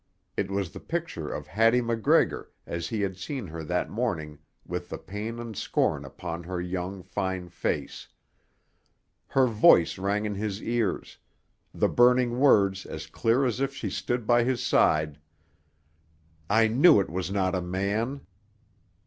It was the picture of Hattie MacGregor as he had seen her that morning with the pain and scorn upon her young, fine face. Her voice rang in his ears, the burning words as clear as if she stood by his side: "I knew it was not a man.